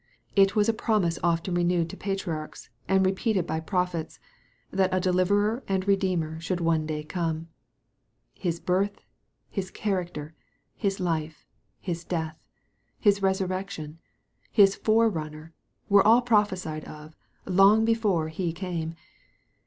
It was a promise often renewed to patriarchs, and repeated by prophets, that a Deliverer and Redeemer should one day come. His birth, His character, His life, His death, His resurrection, His forerunner, were all prophesied of, long before He came.